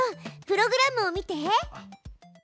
プログラムを見て。